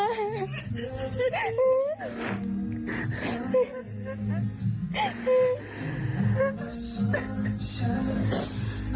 เอ้านี่อีกอันนึง